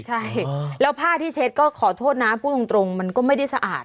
ใช่แล้วผ้าที่เช็ดก็ขอโทษนะพูดตรงมันก็ไม่ได้สะอาด